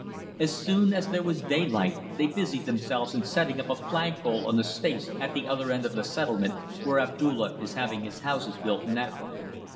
As soon as there was daylight they busied themselves in setting up a flag pole on the space at the other end of the settlement, where Abdulla is having his houses built now.